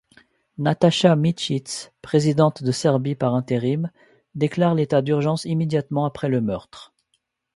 Nataša Mićić, présidente de Serbie par intérim, déclare l'état d'urgence immédiatement après le meurtre.